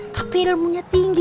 tapi ilmunya tinggi